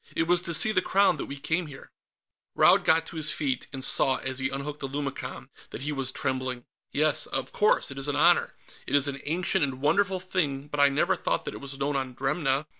It was to see the Crown that we came here." Raud got to his feet, and saw, as he unhooked the lumicon, that he was trembling. "Yes, of course. It is an honor. It is an ancient and wonderful thing, but I never thought that it was known on Dremna."